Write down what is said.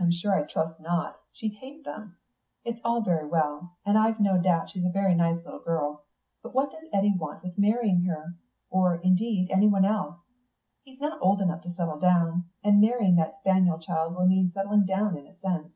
"I'm sure I trust not. She'd hate them.... It's all very well, and I've no doubt she's a very nice little girl but what does Eddy want with marrying her? Or, indeed, anyone else? He's not old enough to settle down. And marrying that spaniel child will mean settling down in a sense."